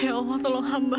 ya allah tolong hamba